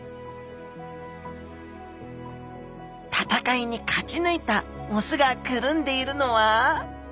戦いに勝ち抜いた雄がくるんでいるのは？